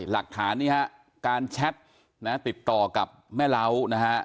หลักฐานนี่ฮะการแชทนะติดต่อกับแม่เล้านะฮะ